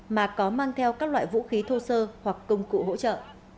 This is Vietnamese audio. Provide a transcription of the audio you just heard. mà có mang theo các loại vũ khí thô sơ hoặc công cụ hỗ trợ